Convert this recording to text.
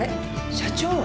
社長！